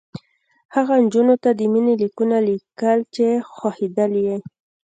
هغو نجونو ته د مینې لیکونه لیکل چې خوښېدلې یې